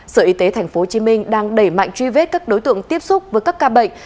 sở y tế tp hcm đang đẩy mạnh truy vết các đối tượng tiếp xúc với các ca bệnh